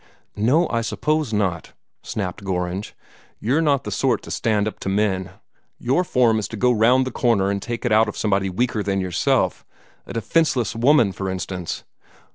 "No, I suppose not," snapped Gorringe. "You're not the sort to stand up to men; your form is to go round the corner and take it out of somebody weaker than yourself a defenceless woman, for instance."